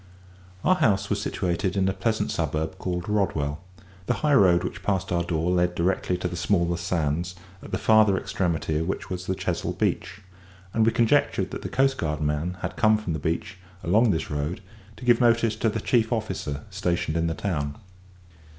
Our house was situated in a pleasant suburb called Rodwell; the high road which passed our door led direct to the Smallmouth Sands, at the farther extremity of which was the Chesil Beach; and we conjectured that the coastguard man had come from the beach along this road to give notice to the chief officer stationed in the town.